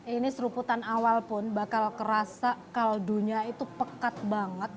ini seruputan awal pun bakal kerasa kaldunya itu pekat banget